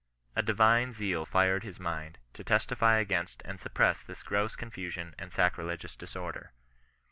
A divine seal fired his mind, to testify against and suppress this gross confusion and sacrilegious disorder.